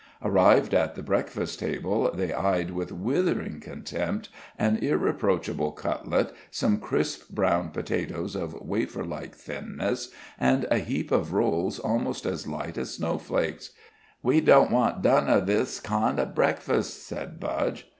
Arrived at the breakfast table, they eyed with withering contempt an irreproachable cutlet, some crisp brown potatoes of wafer like thinness, and a heap of rolls almost as light as snowflakes. "We don't want done of this kind of breakfast," said Budge.